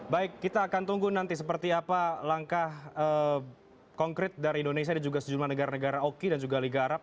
baik kita akan tunggu nanti seperti apa langkah konkret dari indonesia dan juga sejumlah negara negara oki dan juga liga arab